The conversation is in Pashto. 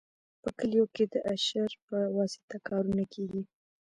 په کلیو کې د اشر په واسطه کارونه کیږي.